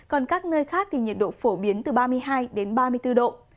còn các nơi khác thì nhiệt độ phổ biến từ ba mươi hai đến ba mươi bốn độ